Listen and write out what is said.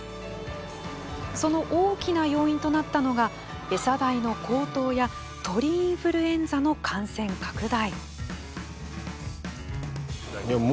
その大きな要因となったのがエサ代の高騰や鳥インフルエンザの感染拡大。